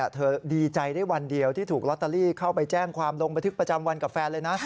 เธอดีใจได้วันเดียวที่ถูกลอตเตอรี่เข้าไปแจ้งความลงบันทึกประจำวันกับแฟนเลยนะ